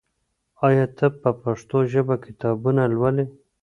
آیا ته په پښتو ژبه کتابونه لولې؟